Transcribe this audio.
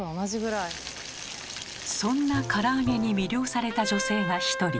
そんなから揚げに魅了された女性が一人。